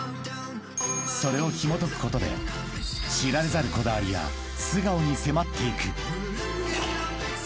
［それをひもとくことで知られざるこだわりや素顔に迫っていく］